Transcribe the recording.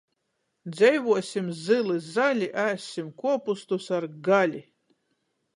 Dzeivuosim zyli zali, ēssim kuopustus ar gali!